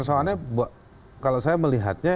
persoalnya kalau saya melihatnya